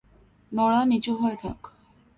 Nora, নিচু হয়ে থাক।